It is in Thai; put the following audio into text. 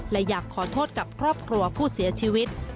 และอยากขอโทษกับครอบครัวผู้เสียชีวิต